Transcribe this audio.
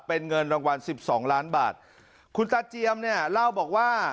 เป็นเงินรางวัลสิบสองล้านบาทคุณตาเจียมเนี่ยเล่าบอกว่า